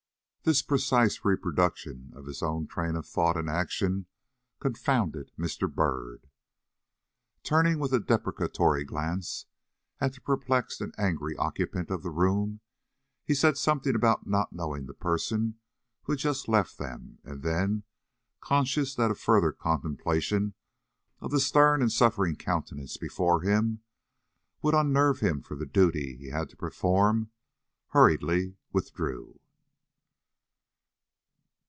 This precise reproduction of his own train of thought and action confounded Mr. Byrd. Turning with a deprecatory glance to the perplexed and angry occupant of the room, he said something about not knowing the person who had just left them; and then, conscious that a further contemplation of the stern and suffering countenance before him would unnerve him for the duty he had to perform, hurriedly withdrew.